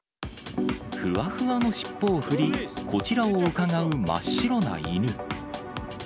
ふわふわの尻尾を振り、こちらをうかがう真っ白な犬。